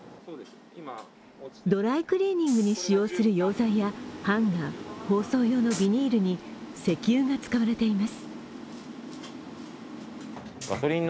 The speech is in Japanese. ドライクリーニングに使用する溶剤やハンガー、包装用のビニールに石油が使われています。